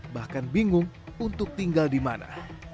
bahkan bingung untuk tinggal di mana